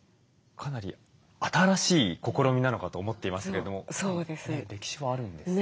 かなり新しい試みなのかと思っていましたけども歴史はあるんですね。